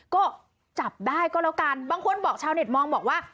ก็จับได้ก็แล้วกันบางคนบอกชาวเน็ตมองบอกว่า